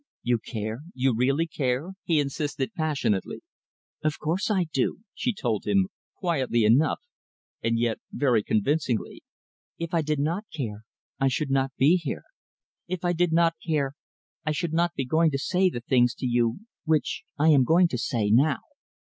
"You care you really care?" he insisted passionately. "Of course I do," she told him, quietly enough and yet very convincingly. "If I did not care I should not be here. If I did not care, I should not be going to say the things to you which I am going to say now.